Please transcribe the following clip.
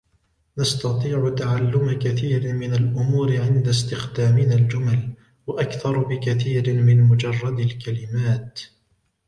نستطيع تعلم كثير من الأمور عند استخدامنا الجُمَل. وأكثر بكثير من مجرد الكلمات.